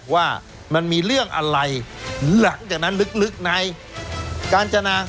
ว่ามันมีเรื่องอะไรหลังจากนั้นลึกในการจนา